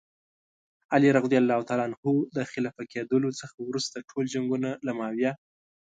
علي رض د خلیفه کېدلو څخه وروسته ټول جنګونه له معاویه.